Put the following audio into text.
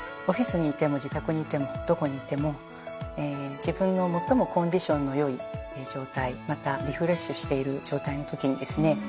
オフィスにいても自宅にいてもどこにいても自分の最もコンディションの良い状態またリフレッシュしている状態のときにですね